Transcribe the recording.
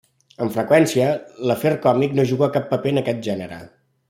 Amb freqüència l'afer còmic no juga cap paper en aquest gènere.